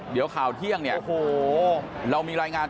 เดี๋ยวข่าวเที่ยงเนี่ยเรามีรายงานต่อ